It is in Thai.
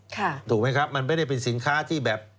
ถูกไหมครับมันไม่ได้เป็นสินค้าที่แบบ